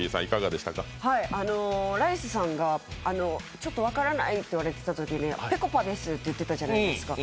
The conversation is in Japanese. ライスさんが分からないって言われていたときに、ぺこぱですって言ってたじゃないですか。